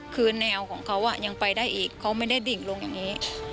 คือแนวของเขายังไปได้อีกเขาไม่ได้ดิ่งลงอย่างนี้